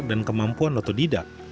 dan kemampuan notodidak